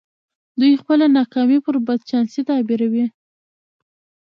دوی خپله ناکامي پر بد چانسۍ تعبيروي.